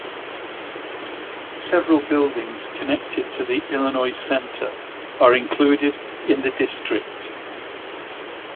Several buildings connected to the Illinois Central are included in the district.